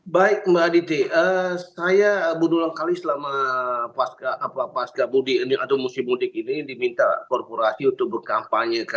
baik mbak aditi saya berulang kali selama pasca mudik atau musim mudik ini diminta korporasi untuk berkampanye